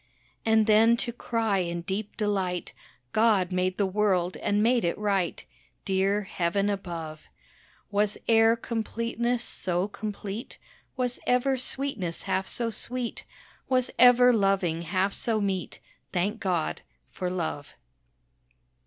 And then to cry in deep delight God made the world and made it right; Dear Heaven above! Was ere completeness so complete, Was ever sweetness half so sweet, Was ever loving half so meet; Thank God for love.